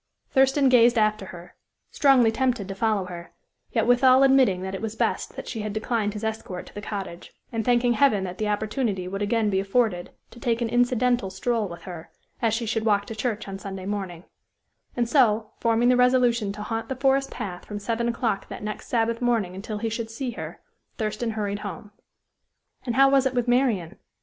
Thurston gazed after her, strongly tempted to follow her; yet withal admitting that it was best that she had declined his escort to the cottage, and thanking Heaven that the opportunity would again be afforded to take an "incidental" stroll with her, as she should walk to church on Sunday morning; and so, forming the resolution to haunt the forest path from seven o'clock that next Sabbath morning until he should see her, Thurston hurried home. And how was it with Marian?